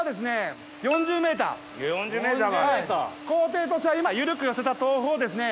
工程としては今緩く寄せた豆腐をですね